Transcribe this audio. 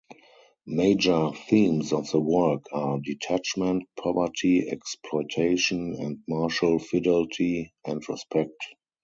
Major themes of the work are detachment, poverty, exploitation and marital fidelity and respect.